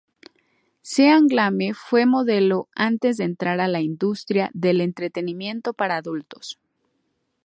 Seth Gamble fue modelo antes de entrar a la industria del entretenimiento para adultos.